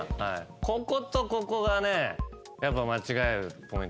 こことここがねやっぱ間違えるポイント。